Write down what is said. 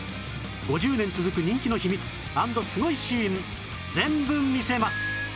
５０年続く人気の秘密＆スゴいシーン全部見せます